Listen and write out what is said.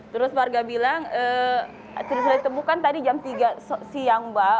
terus warga bilang curi curi itu bukan tadi jam tiga siang mbak